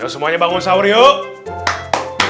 semuanya bangun sahur yuk